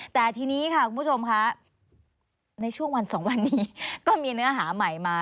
แต่ทีนี้ค่ะคุณผู้ชมค่ะในช่วงวันสองวันนี้ก็มีเนื้อหาใหม่มา